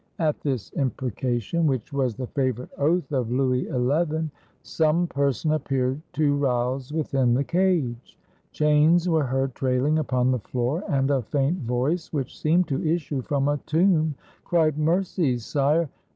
At this impreca tion, which was the favorite oath of Louis XI, some person appeared to rouse within the cage. Chains were heard traihng upon the floor, and a faint voice, which seemed to issue from a tomb, cried, ''Mercy, sire!